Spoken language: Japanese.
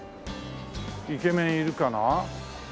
イケメンいるかな？